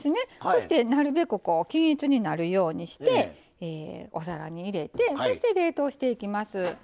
そしてなるべく均一になるようにしてお皿に入れてそして冷凍していきます。